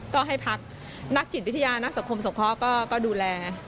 ก็ให้พักนักจิตวิทยานักสังคมสงเคราะห์ก็ดูแลไง